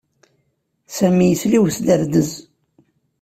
Sami yesla i usderdez.